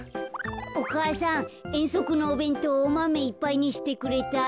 お母さんえんそくのおべんとうおマメいっぱいにしてくれた？